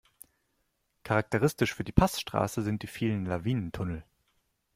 Charakteristisch für die Passstraße sind die vielen Lawinentunnel.